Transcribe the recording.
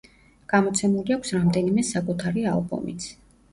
გამოცემული აქვს რამდენიმე საკუთარი ალბომიც.